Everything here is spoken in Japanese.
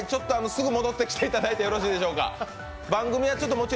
すぐ戻ってきていただいてよろしいでしょうか。